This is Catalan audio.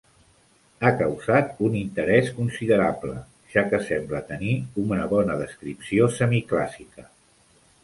Ha causat un interès considerable, ja que sembla tenir una bona descripció semiclàssica.